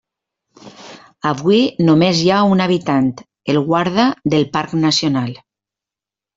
Avui només hi ha un habitant, el guarda del parc nacional.